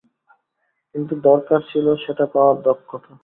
কিন্তু দরকার ছিল সেটা পাওয়ার দক্ষতা।